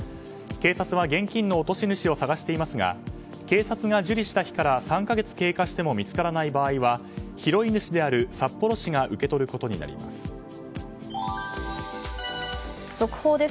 警察は現金の落とし主を探していますが、警察が受理した日から３か月経過しても見つからない場合は拾い主である札幌市が速報です。